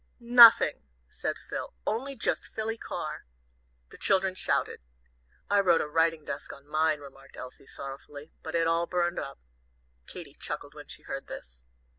"Nofing," said Phil, "only just Philly Carr." The children shouted. "I wrote 'a writing desk' on mine," remarked Elsie, sorrowfully, "but it all burned up." Katy chuckled when she heard this.